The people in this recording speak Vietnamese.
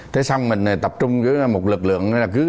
thế xong mình tập trung với một lực lượng